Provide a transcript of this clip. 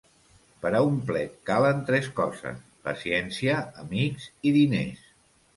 Per a un plet calen tres coses: paciència, amics i diners.